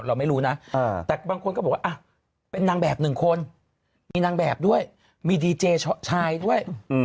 เราไม่รู้นะแต่บางคนก็บอกว่าเป็นนางแบบหนึ่งคนมีนางแบบด้วยมีดีเจชายด้วย